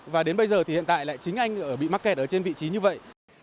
và đến bây giờ thì hiện tại lại chính anh bị mắc kẹt ở trên vị trí như vậy